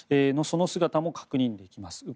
その姿も確認できます。